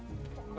mau mana sih